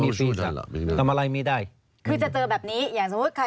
มีใครต้องจ่ายค่าคุมครองกันทุกเดือนไหม